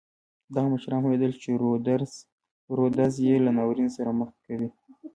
دغه مشران پوهېدل چې رودز یې له ناورین سره مخ کوي.